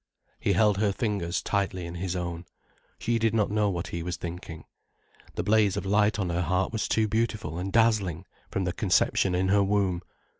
He held her fingers tightly in his own. She did not know what he was thinking. The blaze of light on her heart was too beautiful and dazzling, from the conception in her womb.